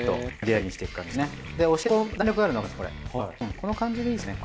この感じでいいですかね。